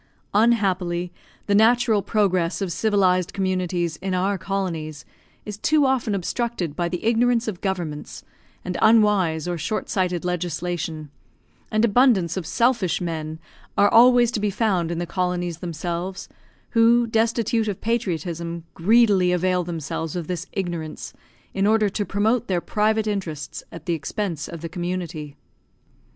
Unhappily the natural progress of civilised communities in our colonies is too often obstructed by the ignorance of governments, and unwise or short sighted legislation; and abundance of selfish men are always to be found in the colonies themselves, who, destitute of patriotism, greedily avail themselves of this ignorance, in order to promote their private interests at the expense of the community.